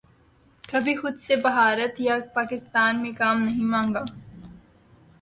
کبھی خود سے بھارت یا پاکستان میں کام نہیں مانگا